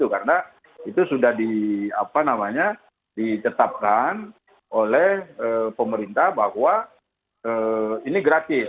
karena itu sudah di apa namanya ditetapkan oleh pemerintah bahwa ini gratis